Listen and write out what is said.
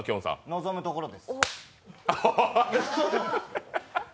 望むところです。